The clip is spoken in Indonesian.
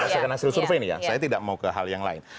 saya akan hasil survei ini ya saya tidak mau ke hal yang lain